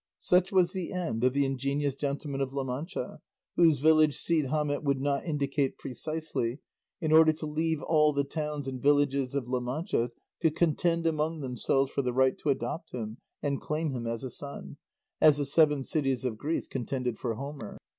Such was the end of the Ingenious Gentleman of La Mancha, whose village Cide Hamete would not indicate precisely, in order to leave all the towns and villages of La Mancha to contend among themselves for the right to adopt him and claim him as a son, as the seven cities of Greece contended for Homer.